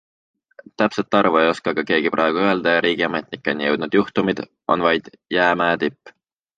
Täpset arvu ei oska aga keegi praegu öelda ja riigiametnikeni jõudnud juhtumid on vaid jäämäe tipp.